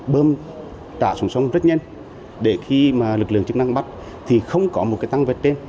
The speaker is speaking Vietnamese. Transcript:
bơm trả xuống sông rất nhanh để khi mà lực lượng chức năng bắt thì không có một cái tăng vật trên